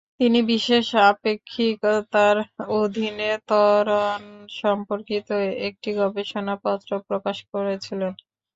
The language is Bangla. তিনি বিশেষ আপেক্ষিকতার অধীনে ত্বরণ সম্পর্কিত একটি গবেষণাপত্র প্রকাশ করেছিলেন।